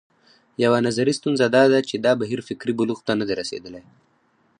یوه نظري ستونزه دا ده چې دا بهیر فکري بلوغ ته نه دی رسېدلی.